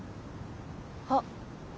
あっ。